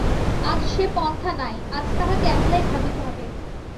আজ সে পন্থা নাই, আজ তাহাকে একলাই ভাবিতে হইবে।